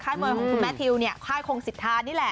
ค่ายมวยของคุณแมทริวค่ายโครงศิษฐานี่แหละ